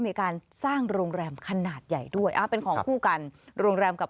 มีการสร้างโรงแรมขนาดใหญ่ด้วยอ่าเป็นของคู่กันโรงแรมกับ